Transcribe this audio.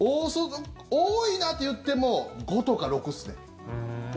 多いなといっても５とか６ですね。